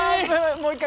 もう一回。